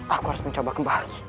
aku harus mencoba kembali